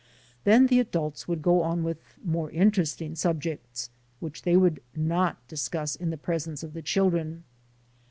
Then the adults W9uld go on with "more interesting" sub jects, which they would not discuss in the presence of the children.